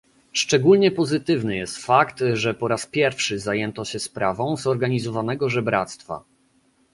Szczególnie pozytywny jest fakt, że po raz pierwszy zajęto się sprawą zorganizowanego żebractwa